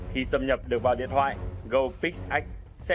khi xâm nhập được vào điện thoại gopixx sẽ tăng cường